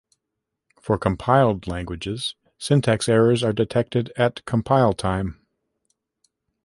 For compiled languages, syntax errors are detected at compile-time.